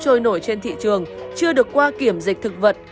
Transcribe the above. các loại nấm trôi trên thị trường chưa được qua kiểm dịch thực vật